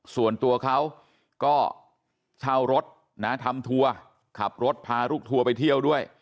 ส่วนตัวเขาก็เช่ารถนะทำทัวร์ขับรถพาลูกทัวร์ไปเที่ยวด้วย